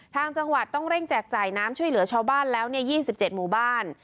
ทางจังหวัดต้องเร่งแจกจ่ายน้ำช่วยเหลือชาวบ้านแล้ว๒๗หมู่บ้าน